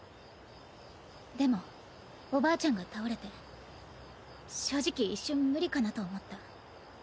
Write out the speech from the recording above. でもおばあちゃんが倒れて正直一瞬無理かなと思った。